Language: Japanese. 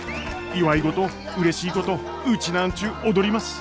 祝い事うれしいことウチナーンチュ踊ります。